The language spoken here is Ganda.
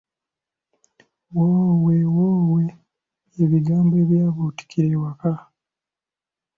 Woowe woowe bye bigambo ebyabuutikira awaka.